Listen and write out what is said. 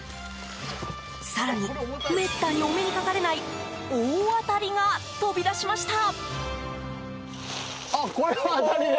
更に、めったにお目にかかれない大当たりが飛び出しました！